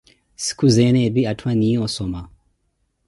Sikhuzeene epi atthu aniiya osoma.